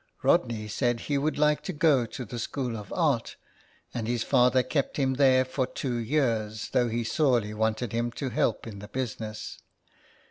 Rodney said he would hke to go to the school of art, and his father kept him there for two years, though he sorely wanted him to help in the business.